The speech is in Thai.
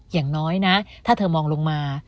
อย่างน้อยนะถ้าเธอมองลงมา